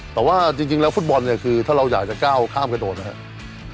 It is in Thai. แต่ว่าจริงแล้วฟุตบอลเนี่ยคือถ้าเราอยากจะก้าวข้ามกระโดดนะครับ